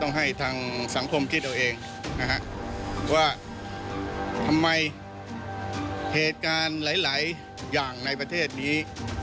ต้องให้ทางสังคมคิดเอาเองนะฮะว่าทำไมเหตุการณ์หลายอย่างในประเทศนี้